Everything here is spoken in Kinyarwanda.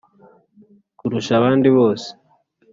kurusha abandi bose,